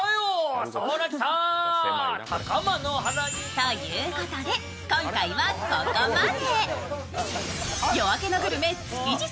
ということで、今回はここまで。